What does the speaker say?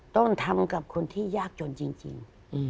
ต้องทำกับคนที่ยากจนจริง